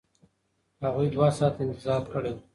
هغوی دوه ساعته انتظار کړی و.